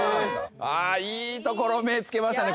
いいところ目つけましたね